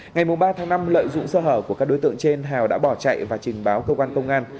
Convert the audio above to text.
ngày ba tháng năm lợi dụng sơ hở của các đối tượng trên hào đã bỏ chạy và trình báo cơ quan công an